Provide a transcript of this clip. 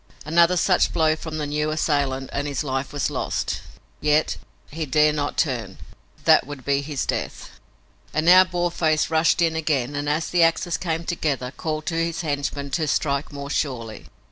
Another such blow from the new assailant and his life was lost, yet he dare not turn. That would be his death. And now Boarface rushed in again and as the axes came together called to his henchman to strike more surely.